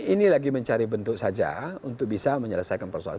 ini lagi mencari bentuk saja untuk bisa menyelesaikan persoalan